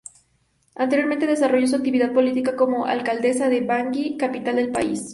Anteriormente desarrolló su actividad política como alcaldesa de Bangui, capital del país.